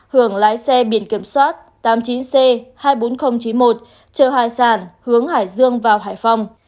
hưởng lái xe biển kiểm soát tám mươi chín c hai mươi bốn nghìn chín mươi một chờ hải sản hướng hải dương vào hải phòng